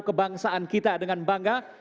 kebangsaan kita dengan bangga